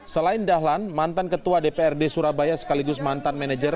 selain dahlan mantan ketua dprd surabaya sekaligus mantan manajer